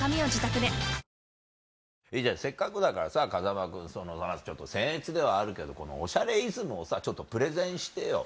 せっかくだからさ風間君せんえつではあるけどこの『おしゃれイズム』をさちょっとプレゼンしてよ。